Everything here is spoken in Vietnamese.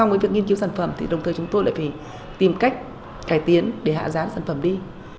với việc nghiên cứu sản phẩm thì đồng thời chúng tôi lại phải tìm cách cải tiến để hạ giá sản phẩm đi